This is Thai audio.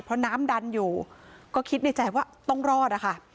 เพราะน้ำดันอยู่ก็คิดในใจว่าต้องรอดอะค่ะ